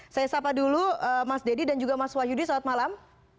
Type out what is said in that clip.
saya sapa dulu mas deddy dan juga mas wahyudi selamat malam